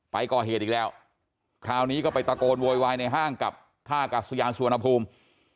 ไปก่อเหตุอีกแล้วคราวนี้ก็ไปตะโกนโวยวายในห้างกับท่ากัศยานสุวรรณภูมิ